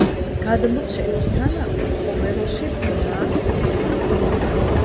გადმოცემის თანახმად ჰომეროსი ბრმა იყო.